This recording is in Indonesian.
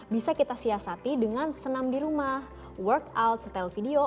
bisa kita siasati dengan senam di rumah workout setel video